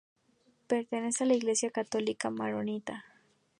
Pertenece a la Iglesia católica maronita.